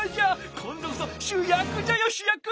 今度こそ主役じゃよ主役！